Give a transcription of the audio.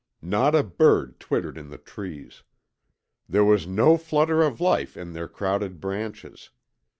Not a bird twittered in the trees. There was no flutter of life in their crowded branches.